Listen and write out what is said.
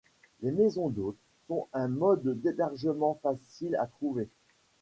Les maisons d'hôte sont un mode d’hébergement facile à trouver.